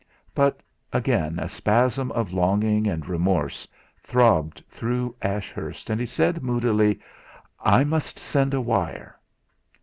But again a spasm of longing and remorse throbbed through Ashurst, and he said moodily: "I must send a wire!"